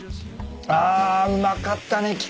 あうまかったね